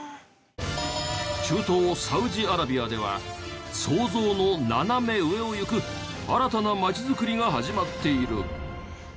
中東サウジアラビアでは想像の斜め上をいく新たな街づくりが始まっている。